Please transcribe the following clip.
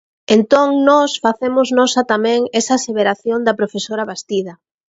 Entón nós facemos nosa tamén esa aseveración da profesora Bastida.